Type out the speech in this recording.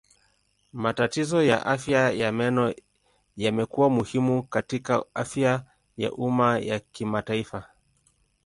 Matatizo ya afya ya meno yamekuwa muhimu katika afya ya umma ya kimataifa.